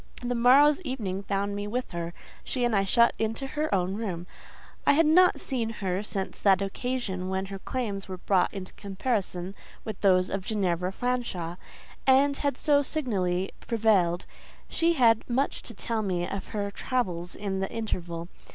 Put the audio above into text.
The morrow's evening found me with her—she and I shut into her own room. I had not seen her since that occasion when her claims were brought into comparison with those of Ginevra Fanshawe, and had so signally prevailed; she had much to tell me of her travels in the interval.